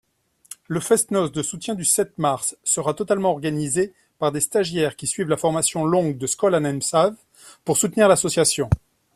Le fest-noz de soutien du sept mars sera totalement organisé par des stagiaires qui suivent la formation longue de Skol an Emsav, pour soutenir l’association.